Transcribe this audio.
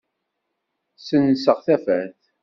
Ssenseɣ tafat.